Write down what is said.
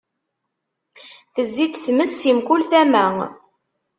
Tezzi-d tmes, si mkul tama.